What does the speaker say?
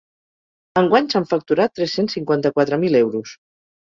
Enguany s’han facturat tres-cents cinquanta-quatre mil euros.